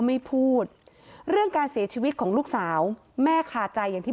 ไม่พูดเรื่องการเสียชีวิตของลูกสาวแม่ขาใจอย่างที่